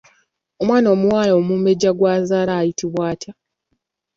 Omwana omuwala omumbejja gw’azaala ayitibwa atya?